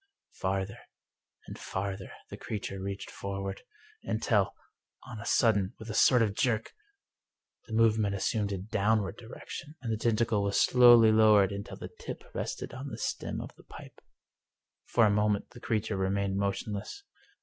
Farther and farther the creature reached forward, until on a sudden, with a sort of jerk, the movement as sumed a downward direction, and the tentacle was slowly lowered until the tip rested on the stem of the pipe. For a moment the creature remained motionless.